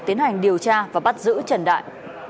tiến hành điều tra và bắt giữ trần đại